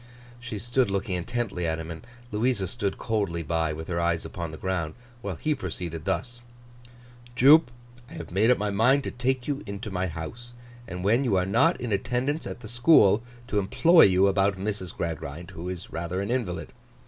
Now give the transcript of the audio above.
She stood looking intently at him, and Louisa stood coldly by, with her eyes upon the ground, while he proceeded thus: 'Jupe, I have made up my mind to take you into my house; and, when you are not in attendance at the school, to employ you about Mrs. Gradgrind, who is rather an invalid.